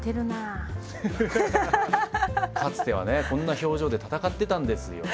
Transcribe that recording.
かつてはねこんな表情で戦ってたんですよ。